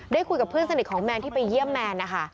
คุยกับเพื่อนสนิทของแมนที่ไปเยี่ยมแมนนะคะ